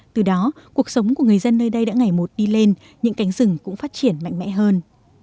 từ đó cuộc sống của người dân nơi đây đã ngày một đi lên những cánh rừng cũng phát triển mạnh mẽ hơn